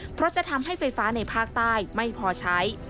เพราะจะทำให้ไฟฟ้าในภาคใต้ไม่พอใช้